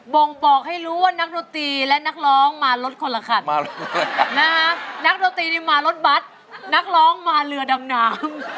่งบอกให้รู้ว่านักดนตรีและนักร้องมารถคนละคันนักดนตรีนี่มารถบัตรนักร้องมาเรือดำน้ำ